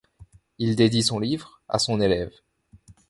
Il dédie son livre à son élève.